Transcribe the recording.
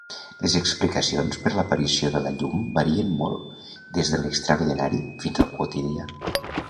Les explicacions per l'aparició de la llum varien molt des de l'extraordinari fins al quotidià.